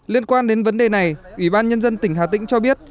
liên quan đến vấn đề này ủy ban nhân dân tỉnh hà tĩnh cho biết